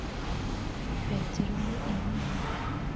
Petero ni intumwa